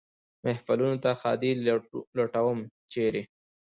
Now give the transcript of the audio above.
محفلونو ته ښادي لټوم ، چېرې ؟